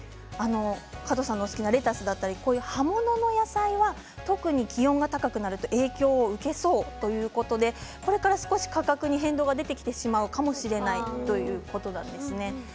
加藤さんの好きなレタスなどの葉物野菜は特に気温が高くなると影響を受けそうということでこれから少し価格に変動が出てきてしまうかもしれないということなんですね。